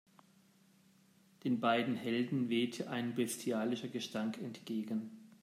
Den beiden Helden wehte ein bestialischer Gestank entgegen.